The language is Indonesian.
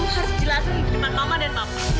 kamu harus jelasin ke depan mama dan bapak